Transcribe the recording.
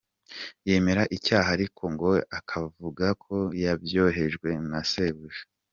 Yemera icyaha ariko ngo akavuga ko yabyohejwe na sebuja.